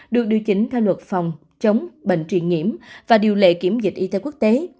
được điều chỉnh theo luật phòng chống bệnh truyền nhiễm và điều lệ kiểm dịch y tế quốc tế